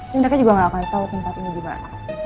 dan mereka juga nggak akan tahu tempat ini di mana